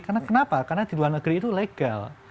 karena kenapa karena di luar negeri itu legal